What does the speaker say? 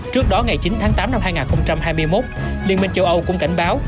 trước đó ngày chín tháng tám năm hai nghìn hai mươi một liên minh châu âu cũng cảnh báo